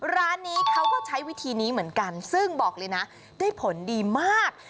ร้านนี้เขาก็ใช้วิธีนี้เหมือนกันซึ่งบอกเลยนะได้ผลดีมาก